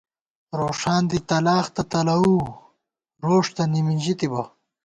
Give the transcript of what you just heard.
روݭان دی تلاخ تہ تلَوُو روݭ تہ نِمِنژی تِبہ